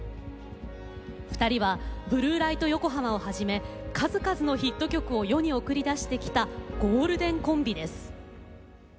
２人は「ブルー・ライト・ヨコハマ」をはじめ、数々のヒット曲を世に送り出してきたゴールデンコンビです。